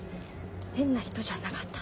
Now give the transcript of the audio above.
変な人じゃなかった。